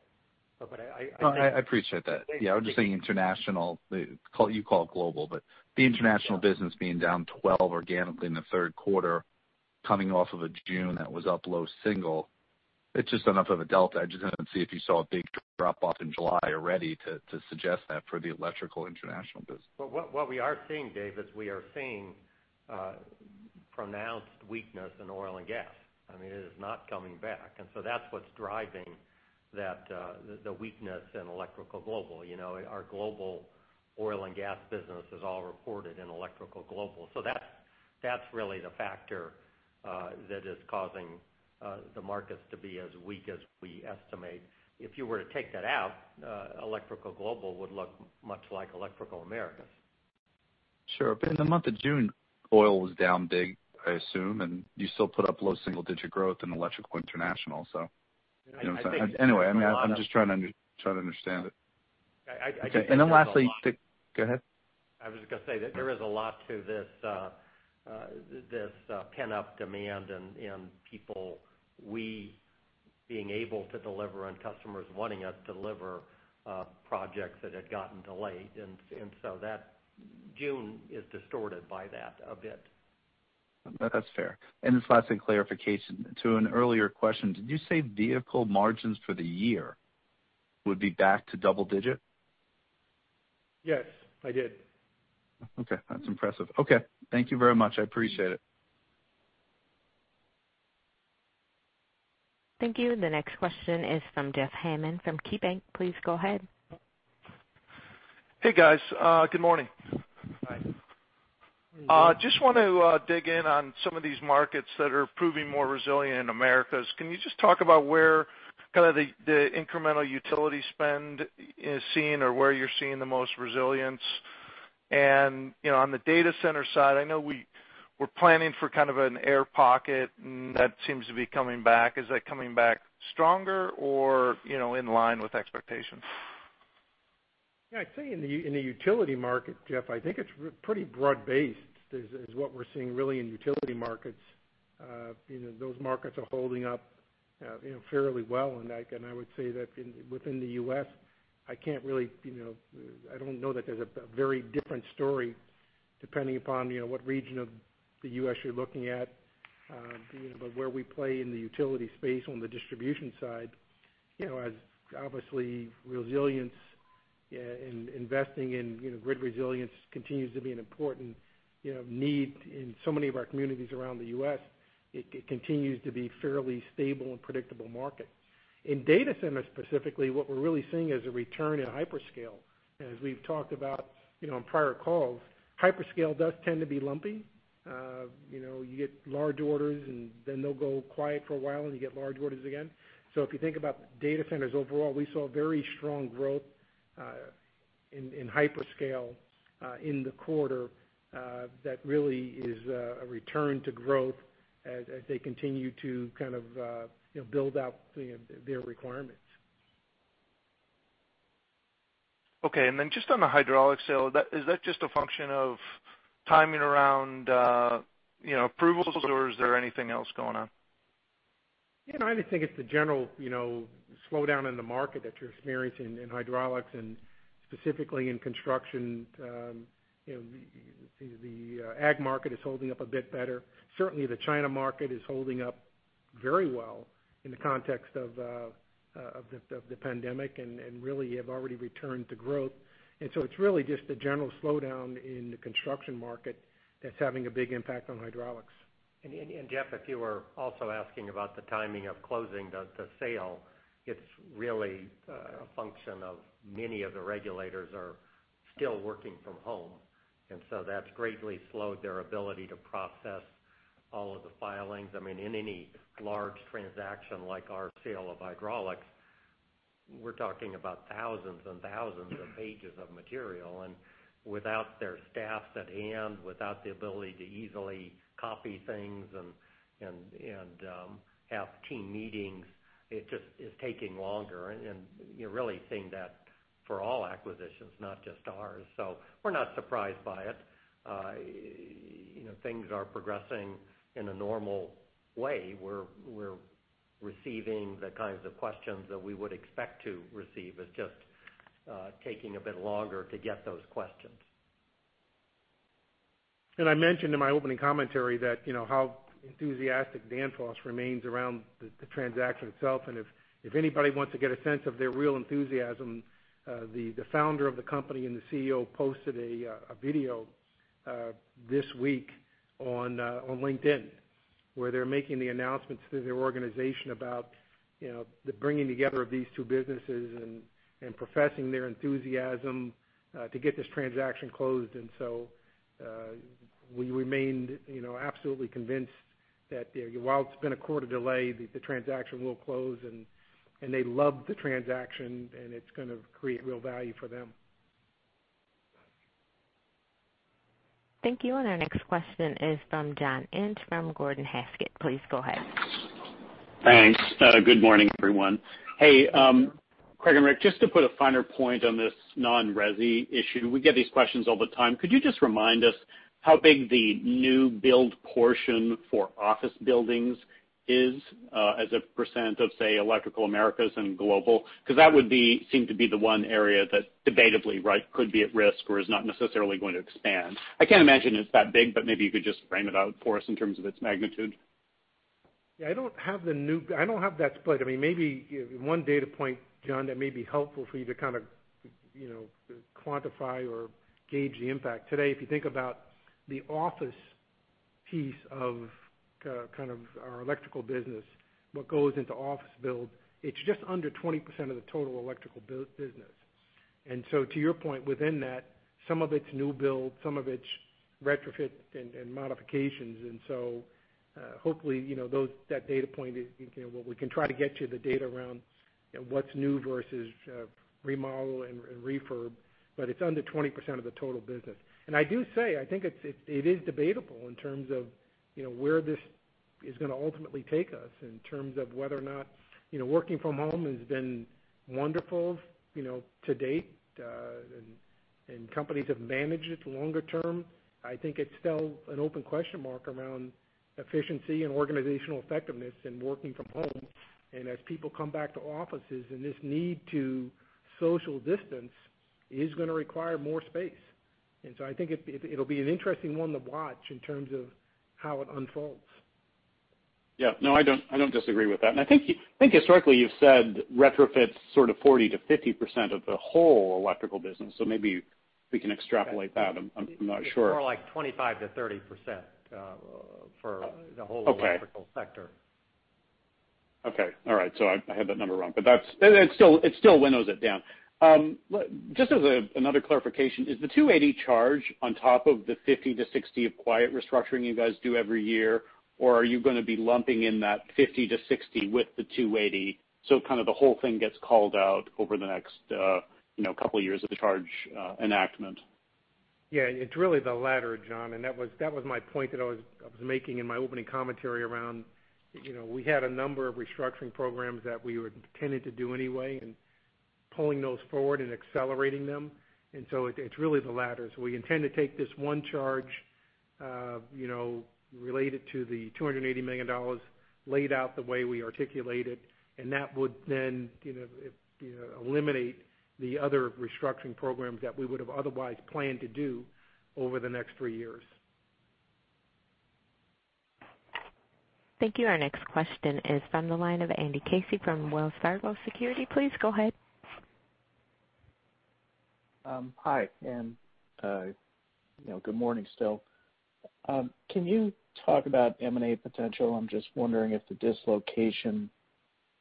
No, I appreciate that. I'm just saying international, you call it global, but the international business being down 12 organically in the third quarter, coming off of a June that was up low single, it's just enough of a delta. I just wanted to see if you saw a big drop-off in July already to suggest that for the electrical international business. What we are seeing, Dave, is we are seeing pronounced weakness in oil and gas. It is not coming back. That's what's driving the weakness in Electrical Global. Our global oil and gas business is all reported in Electrical Global. That's really the factor that is causing the markets to be as weak as we estimate. If you were to take that out, Electrical Global would look much like Electrical Americas. Sure. In the month of June, oil was down big, I assume, and you still put up low single-digit growth in electrical international. Anyway, I'm just trying to understand it. I think there's a lot- Okay. Go ahead. I was going to say that there is a lot to this pent-up demand and people, we being able to deliver and customers wanting us to deliver projects that had gotten delayed. June is distorted by that a bit. That's fair. This last thing, clarification to an earlier question. Did you say vehicle margins for the year would be back to double digit? Yes, I did. Okay. That's impressive. Okay. Thank you very much. I appreciate it. Thank you. The next question is from Jeff Hammond from KeyBanc. Please go ahead. Hey, guys. Good morning. Hi. Good morning. Just want to dig in on some of these markets that are proving more resilient in Americas. Can you just talk about where kind of the incremental utility spend is seen or where you're seeing the most resilience? On the data center side, I know we were planning for kind of an air pocket, and that seems to be coming back. Is that coming back stronger or in line with expectations? Yeah. I'd say in the utility market, Jeff, I think it's pretty broad-based is what we're seeing really in utility markets. Those markets are holding up fairly well. I would say that within the U.S., I don't know that there's a very different story depending upon what region of the U.S. you're looking at. Where we play in the utility space on the distribution side, as obviously resilience and investing in grid resilience continues to be an important need in so many of our communities around the U.S., it continues to be fairly stable and predictable market. In data centers specifically, what we're really seeing is a return to hyperscale. As we've talked about on prior calls, hyperscale does tend to be lumpy. You get large orders, and then they'll go quiet for a while, and you get large orders again. If you think about data centers overall, we saw very strong growth in hyperscale in the quarter that really is a return to growth as they continue to kind of build out their requirements. Okay. Just on the hydraulics sale, is that just a function of timing around approvals, or is there anything else going on? I just think it's the general slowdown in the market that you're experiencing in hydraulics and specifically in construction. The ag market is holding up a bit better. Certainly, the China market is holding up very well in the context of the pandemic, and really have already returned to growth. It's really just a general slowdown in the construction market that's having a big impact on hydraulics. Jeff, if you were also asking about the timing of closing the sale, it's really a function of many of the regulators are still working from home, that's greatly slowed their ability to process all of the filings. In any large transaction like our sale of Hydraulics, we're talking about thousands and thousands of pages of material. Without their staffs at hand, without the ability to easily copy things and have team meetings, it just is taking longer. You're really seeing that for all acquisitions, not just ours. We're not surprised by it. Things are progressing in a normal way. We're receiving the kinds of questions that we would expect to receive. It's just taking a bit longer to get those questions. I mentioned in my opening commentary how enthusiastic Danfoss remains around the transaction itself, and if anybody wants to get a sense of their real enthusiasm, the founder of the company and the CEO posted a video this week on LinkedIn where they're making the announcements to their organization about the bringing together of these two businesses and professing their enthusiasm to get this transaction closed. We remained absolutely convinced that while it's been a quarter delay, the transaction will close, and they love the transaction, and it's going to create real value for them. Thank you. Our next question is from John Inch from Gordon Haskett. Please go ahead. Thanks. Good morning, everyone. Good morning, John. Craig and Rick, just to put a finer point on this non-resi issue, we get these questions all the time. Could you just remind us how big the new build portion for office buildings is as a percentage of, say, Electrical Americas and Electrical Global? That would seem to be the one area that debatably could be at risk or is not necessarily going to expand. I can't imagine it's that big, but maybe you could just frame it out for us in terms of its magnitude. Yeah, I don't have that split. Maybe one data point, John, that may be helpful for you to quantify or gauge the impact. Today, if you think about the office piece of our electrical business, what goes into office build, it's just under 20% of the total electrical business. To your point, within that, some of it's new build, some of it's retrofit and modifications. Hopefully, that data point is what we can try to get you the data around what's new versus remodel and refurb, but it's under 20% of the total business. I do say, I think it is debatable in terms of where this is going to ultimately take us in terms of whether or not working from home has been wonderful to date, and companies have managed it longer term. I think it's still an open question mark around efficiency and organizational effectiveness in working from home. As people come back to offices and this need to social distance, it is going to require more space. I think it'll be an interesting one to watch in terms of how it unfolds. Yeah. No, I don't disagree with that. I think historically you've said retrofit's 40%-50% of the whole electrical business, maybe we can extrapolate that. I'm not sure. It's more like 25%-30%. Okay electrical sector. Okay. All right. I had that number wrong. It still winnows it down. Just as another clarification, is the $280 charge on top of the $50-$60 of quiet restructuring you guys do every year, or are you going to be lumping in that $50-$60 with the $280, so the whole thing gets called out over the next couple of years of the charge enactment? Yeah. It's really the latter, John, and that was my point that I was making in my opening commentary around we had a number of restructuring programs that we were intending to do anyway, and pulling those forward and accelerating them. It's really the latter. We intend to take this one charge related to the $280 million, laid out the way we articulate it, and that would then eliminate the other restructuring programs that we would've otherwise planned to do over the next three years. Thank you. Our next question is from the line of Andy Casey from Wells Fargo Securities. Please go ahead. Hi, and good morning still. Can you talk about M&A potential? I'm just wondering if the dislocation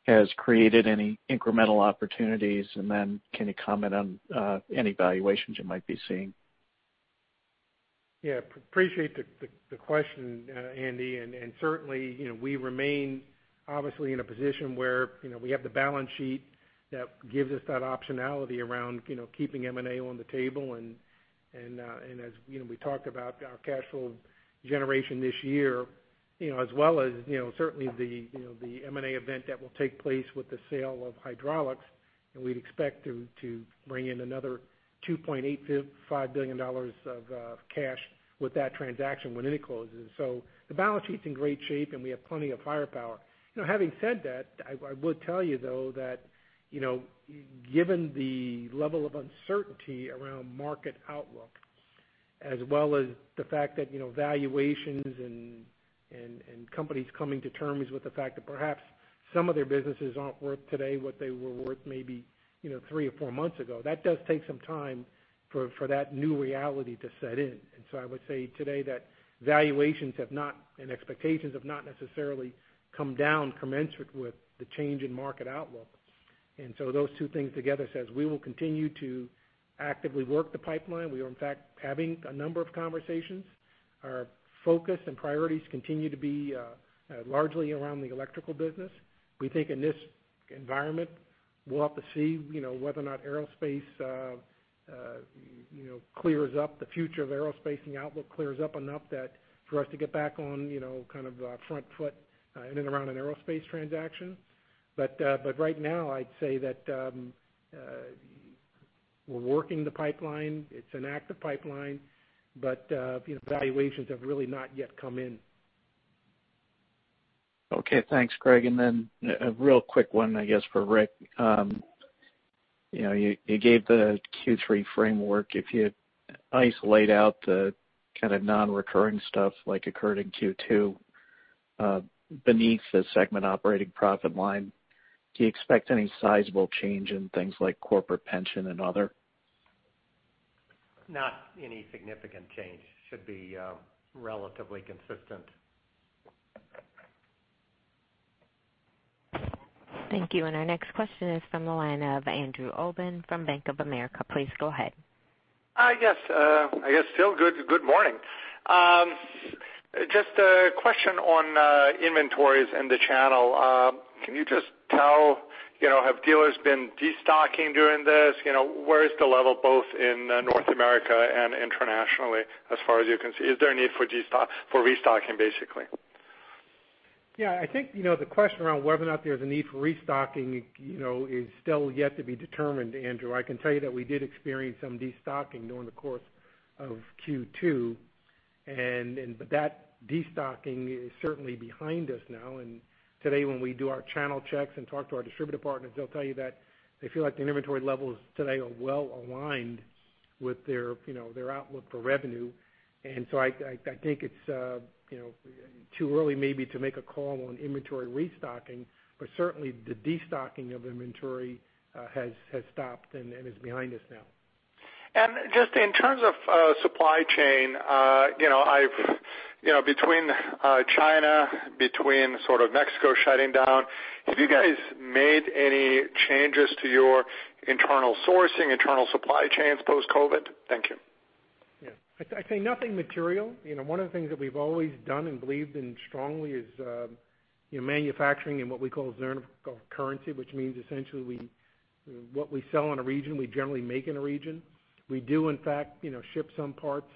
has created any incremental opportunities, and then can you comment on any valuations you might be seeing? Appreciate the question, Andy, and certainly, we remain obviously in a position where we have the balance sheet that gives us that optionality around keeping M&A on the table. As we talked about our cash flow generation this year, as well as certainly the M&A event that will take place with the sale of hydraulics, and we'd expect to bring in another $2.85 billion of cash with that transaction when it closes. The balance sheet's in great shape, and we have plenty of firepower. Having said that, I would tell you, though, that given the level of uncertainty around market outlook, as well as the fact that valuations and companies coming to terms with the fact that perhaps some of their businesses aren't worth today what they were worth maybe three or four months ago. That does take some time for that new reality to set in. I would say today that valuations have not, and expectations have not necessarily come down commensurate with the change in market outlook. Those two things together says we will continue to actively work the pipeline. We are, in fact, having a number of conversations. Our focus and priorities continue to be largely around the electrical business. We think in this environment, we'll have to see whether or not aerospace clears up, the future of aerospace and the outlook clears up enough that for us to get back on kind of a front foot in and around an aerospace transaction. Right now, I'd say that we're working the pipeline. It's an active pipeline, but valuations have really not yet come in. Okay, thanks, Craig. A real quick one, I guess, for Rick. You gave the Q3 framework. If you isolate out the kind of non-recurring stuff like occurred in Q2 beneath the segment operating profit line, do you expect any sizable change in things like corporate pension and other? Not any significant change. Should be relatively consistent. Thank you. Our next question is from the line of Andrew Obin from Bank of America. Please go ahead. Yes. I guess still good morning. Just a question on inventories in the channel. Can you just tell, have dealers been destocking during this? Where is the level both in North America and internationally as far as you can see? Is there a need for restocking, basically? Yeah, I think, the question around whether or not there's a need for restocking is still yet to be determined, Andrew. I can tell you that we did experience some destocking during the course of Q2, but that destocking is certainly behind us now. Today, when we do our channel checks and talk to our distributor partners, they'll tell you that they feel like their inventory levels today are well-aligned with their outlook for revenue. I think it's too early maybe to make a call on inventory restocking, but certainly the destocking of inventory has stopped and is behind us now. Just in terms of supply chain, between China, between sort of Mexico shutting down, have you guys made any changes to your internal sourcing, internal supply chains post-COVID? Thank you. Yeah. I'd say nothing material. One of the things that we've always done and believed in strongly is manufacturing in what we call currency, which means essentially what we sell in a region, we generally make in a region. We do, in fact, ship some parts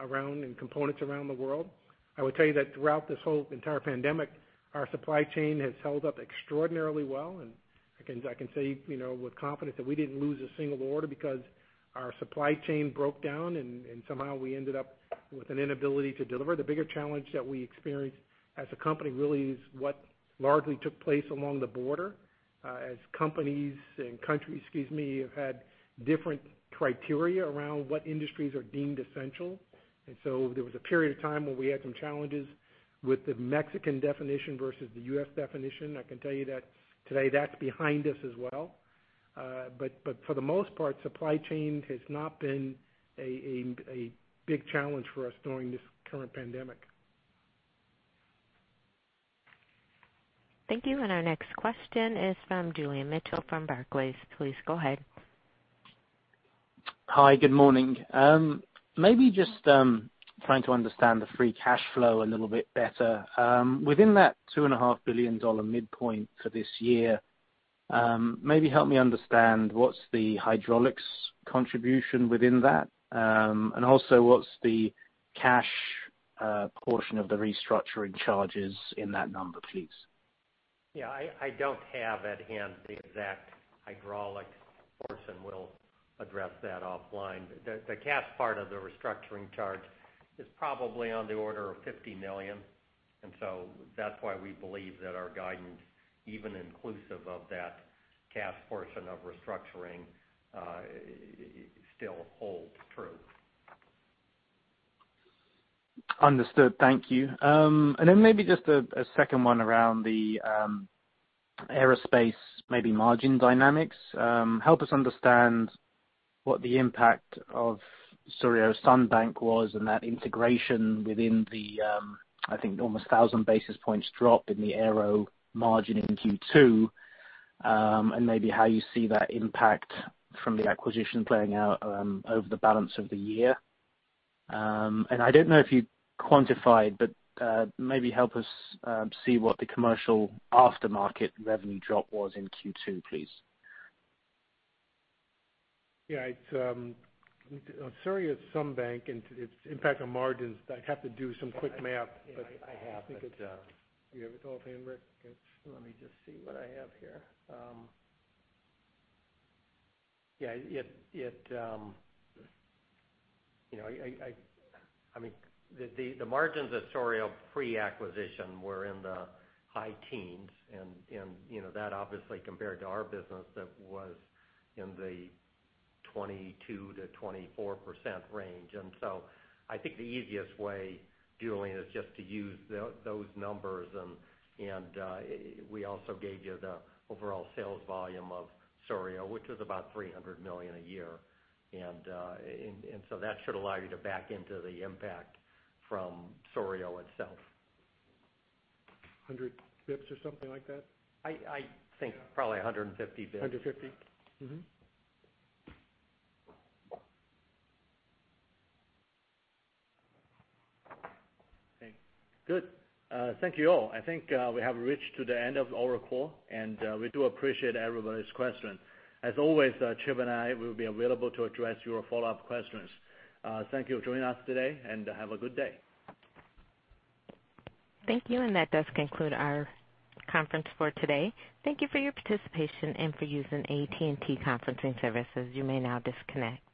around and components around the world. I would tell you that throughout this whole entire pandemic, our supply chain has held up extraordinarily well, and I can say with confidence that we didn't lose a single order because our supply chain broke down and somehow we ended up with an inability to deliver. The bigger challenge that we experienced as a company really is what largely took place along the border as companies and countries, excuse me, have had different criteria around what industries are deemed essential. There was a period of time where we had some challenges with the Mexican definition versus the U.S. definition. I can tell you that today that's behind us as well. For the most part, supply chain has not been a big challenge for us during this current pandemic. Thank you. Our next question is from Julian Mitchell from Barclays. Please go ahead. Hi. Good morning. Maybe just trying to understand the free cash flow a little bit better. Within that $2.5 billion midpoint for this year, maybe help me understand what's the hydraulics contribution within that, and also what's the cash portion of the restructuring charges in that number, please? Yeah, I don't have at hand the exact hydraulics portion. We'll address that offline. The cash part of the restructuring charge is probably on the order of $50 million. That's why we believe that our guidance, even inclusive of that cash portion of restructuring, still holds true. Understood. Thank you. Maybe just a second one around the aerospace maybe margin dynamics. Help us understand what the impact of Souriau-Sunbank was and that integration within the, I think, almost 1,000 basis points drop in the aero margin in Q2, and maybe how you see that impact from the acquisition playing out over the balance of the year. I don't know if you quantified, but maybe help us see what the commercial aftermarket revenue drop was in Q2, please. Yeah. Souriau-Sunbank and its impact on margins, I'd have to do some quick math. I have it. You have it offhand, Rick? Okay. Let me just see what I have here. The margins of Souriau pre-acquisition were in the high teens, and that obviously compared to our business that was in the 22%-24% range. I think the easiest way, Julian, is just to use those numbers, and we also gave you the overall sales volume of Souriau, which was about $300 million a year. That should allow you to back into the impact from Souriau itself. 100 basis points or something like that? I think probably 150 basis points. $150? Okay. Good. Thank you all. I think we have reached to the end of our call. We do appreciate everybody's question. As always, Chip and I will be available to address your follow-up questions. Thank you for joining us today. Have a good day. Thank you. That does conclude our conference for today. Thank you for your participation and for using AT&T conferencing services. You may now disconnect.